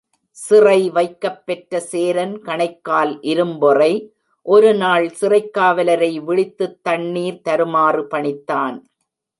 சிறை வைக்கப் பெற்ற சேரன் கணைக்கால் இரும்பொறை, ஒருநாள் சிறைக் காவலரை விளித்துத் தண்ணிர் தருமாறு பணித்தான்.